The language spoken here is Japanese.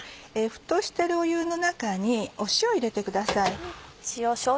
沸騰してる湯の中に塩を入れてください。